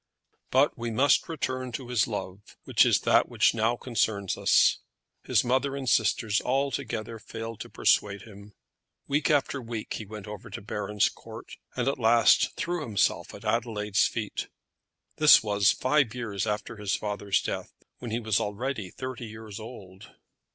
But we must return to his love, which is that which now concerns us. His mother and sisters altogether failed to persuade him. Week after week he went over to Baronscourt, and at last threw himself at Adelaide's feet. This was five years after his father's death, when he was already thirty years old.